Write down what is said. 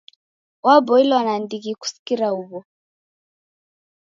Waboilo nandighi kusikira huw'o.